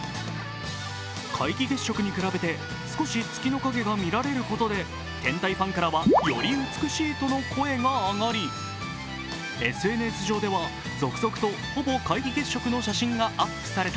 皆既月食に比べて少し月の陰が見られることで天体ファンからはより美しいとの声が上がり、ＳＮＳ上では続々と、ほぼ皆既月食の写真がアップされた。